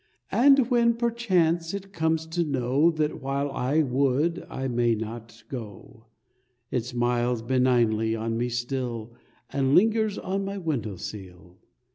And when perchance it comes to know That while I would I may not go, It smiles benignly on me still, And lingers on my window sill.